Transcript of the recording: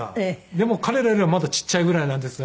でも彼らよりはまだちっちゃいぐらいなんですね。